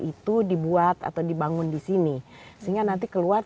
itu dibuat atau dibangun di sini sehingga nanti keluar